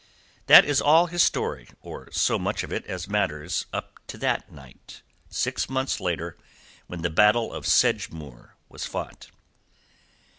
That is all his story, or so much of it as matters up to that night, six months later, when the battle of Sedgemoor was fought.